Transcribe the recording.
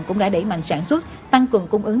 cũng đã đẩy mạnh sản xuất tăng cường cung ứng